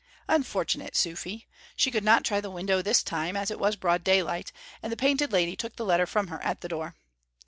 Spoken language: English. Unfortunate Suphy! she could not try the window this time, as it was broad daylight, and the Painted Lady took the letter from her at the door.